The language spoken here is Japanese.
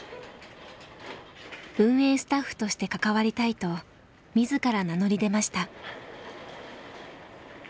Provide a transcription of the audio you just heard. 運営スタッフとして関わりたいと自ら名乗り出ました。